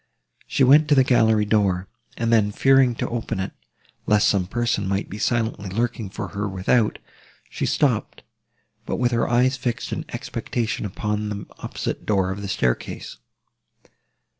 She went to the gallery door, and then, fearing to open it, lest some person might be silently lurking for her without, she stopped, but with her eyes fixed in expectation upon the opposite door of the staircase.